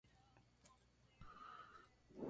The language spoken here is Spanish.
Él intercambió su sable con Ferus Olin.